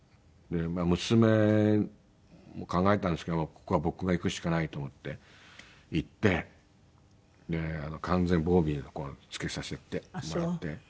娘も考えたんですけどここは僕が行くしかないと思って行って完全防備のこうつけさせてもらって。